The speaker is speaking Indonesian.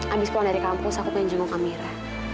abis pulang dari kampus aku pengen jenguk kamera